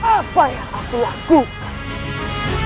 apa yang aku lakukan